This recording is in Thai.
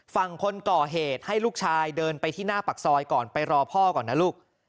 ฝั่งคนก่อเหตุให้ลูกชายเดินไปที่หน้าปากซอยก่อนไปรอพ่อก่อนนะลูก